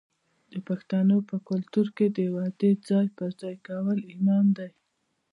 د پښتنو په کلتور کې د وعدې ځای پر ځای کول ایمان دی.